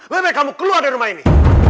bebek kamu keluar dari rumah ini